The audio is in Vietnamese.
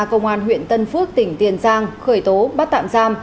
công an huyện tân phước tỉnh tiền giang khởi tố bắt tạm giam